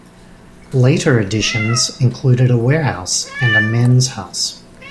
Later additions included a warehouse and a men's house.